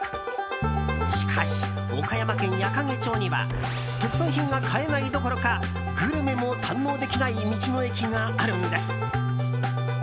しかし、岡山県矢掛町には特産品が買えないどころかグルメも堪能できない道の駅があるんです。